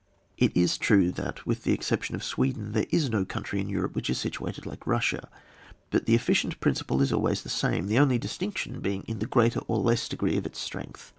It is true that with the exception of Swe den there is no country in Europe which is situated like Bussia, but the efficient principle is always the same, the only distinction being in the greater or less degree of its strength.